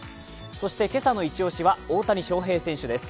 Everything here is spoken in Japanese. そして今朝のイチ押しは大谷翔平選手です。